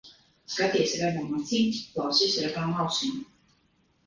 Skaties ar abām acīm, klausies ar abām ausīm.